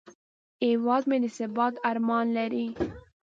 هیواد مې د ثبات ارمان لري